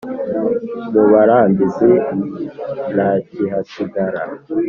Mu Barambizi ntakihasigara